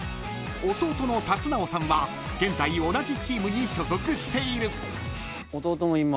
［弟の龍尚さんは現在同じチームに所属している］